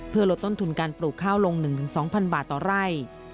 เพื่อลดต้นทุนการปลูกข้าวลง๑๒๐๐๐บาทต่อไร่